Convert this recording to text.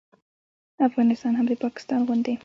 افغانستان هم د پاکستان غوندې